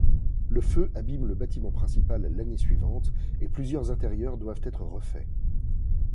Le feu abîme le bâtiment principal l'année suivante et plusieurs intérieurs doivent être refaits.